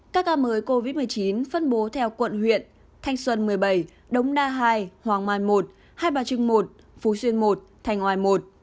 các ca mới covid một mươi chín phân bố theo quận huyện thanh xuân một mươi bảy đống đa hai hoàng mai một hai bà trưng một phú xuyên một thành ngoài một